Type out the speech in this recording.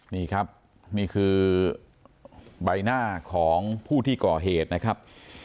นี่ครับนี่คือใบหน้าของผู้ที่ก่อเหตุนะครับ